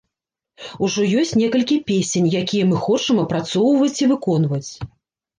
Ужо ёсць некалькі песень, якія мы хочам апрацоўваць і выконваць.